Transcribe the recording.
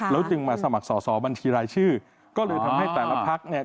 จึงมาสมัครสอบบัญชีรายชื่อก็เลยทำให้แต่ละพักเนี่ย